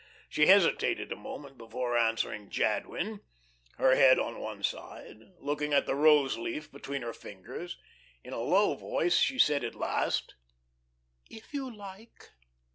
She hesitated a moment before answering Jadwin, her head on one side, looking at the rose leaf between her fingers. In a low voice she said at last: "If you like."